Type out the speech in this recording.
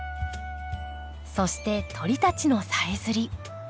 そして鳥たちのさえずり。